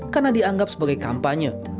karena dianggap sebagai kampanye